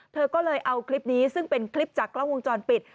เธอก็เลยเอาคลิปนี้ซึ่งเป็นคลิปจากกล้องวงจรปิด